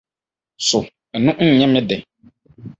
So ɛno nyɛ me de?